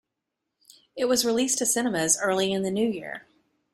It was released to cinemas early in the New Year.